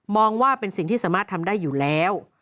ว่าเป็นสิ่งที่สามารถทำได้อยู่แล้ว